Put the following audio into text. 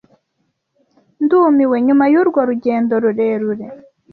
Ndumiwe nyuma yurwo rugendo rurerure.